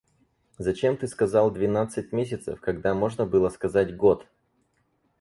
Зачем ты сказал двенадцать месяцев, когда можно было сказать год?